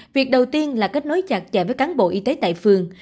việc đầu tiên là kết nối chặt chẽ với cán bộ y tế tại phường